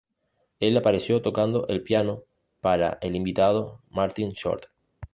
Él apareció tocando el piano para el invitado Martin Short.